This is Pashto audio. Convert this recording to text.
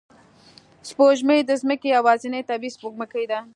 سپوږمۍ د ځمکې یوازینی طبیعي سپوږمکۍ ده